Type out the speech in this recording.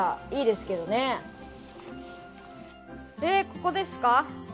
ここですか？